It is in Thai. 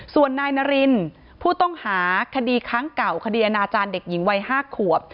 ส่วนนายนารินผู้ต้องหาคดีครั้งเก่าคดีอนาจารย์เด็กหญิงวัย๕ขวบ